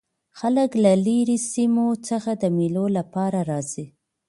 خلک له ليري سیمو څخه د مېلو له پاره راځي.